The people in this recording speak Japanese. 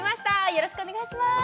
よろしくお願いしますよ